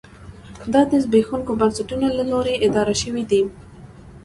دا د زبېښونکو بنسټونو له لوري اداره شوې دي.